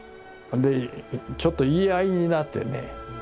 でちょっと言い合いになってね。